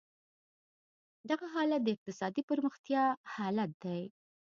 دغه حالت د اقتصادي پرمختیا حالت دی.